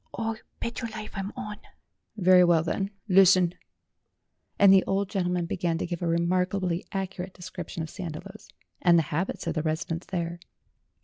"O bet your life, I'm on!" "Very well, then; listen." And the old gentleman began to give a remarkably accurate description of Sandiloes, and the habits of the residents there.